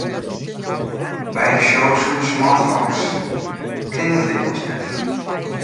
By in show sûnder smartphones kin dat lykwols net.